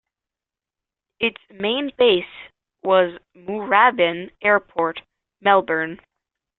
Its main base was Moorabbin Airport, Melbourne.